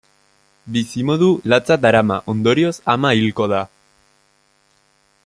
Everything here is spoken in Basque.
Bizimodu latza darama, ondorioz ama hilko da.